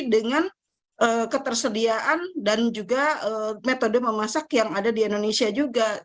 dengan ketersediaan dan juga metode memasak yang ada di indonesia juga